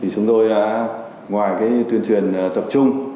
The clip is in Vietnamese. chúng tôi ngoài tuyên truyền tập trung